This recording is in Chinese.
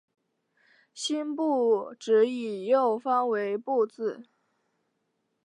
辛部只以右方为部字。